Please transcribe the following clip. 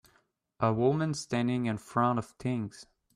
A woman standing in front of things.